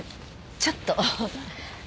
ちょっと。